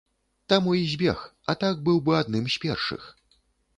Таму і збег, а так быў бы адным з першых.